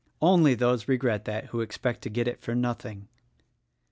Only those regret that who expect to get it for nothing."